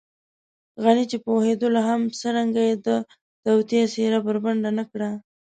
غني چې پوهېدلو هم څرنګه يې د توطیې څېره بربنډه نه کړه.